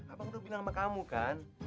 abang udah bilang sama kamu kan